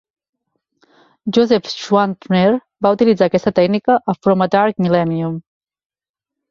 Joseph Schwantner va utilitzar aquesta tècnica a "From A Dark Millennium".